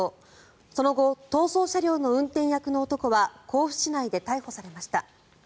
その後、逃走車両の運転役の男は甲府市内で逮捕されました。